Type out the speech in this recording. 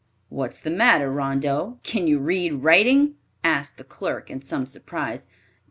"What's the matter, Rondeau? Can you read writing?" asked the clerk in some surprise.